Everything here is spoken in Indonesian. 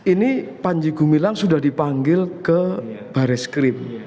ini panji gumilang sudah dipanggil ke bareskrim